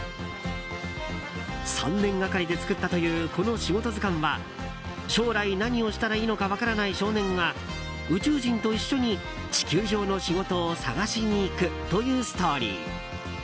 ３年がかりで作ったというこの「仕事図鑑」は将来何をしたらいいのか分からない少年が宇宙人と一緒に、地球上の仕事を探しに行くというストーリー。